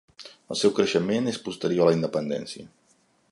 El seu creixement és posterior a la independència.